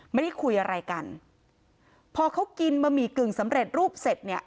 ไม่ได้คุยอะไรกันพอเขากินบะหมี่กึ่งสำเร็จรูปเสร็จเนี่ย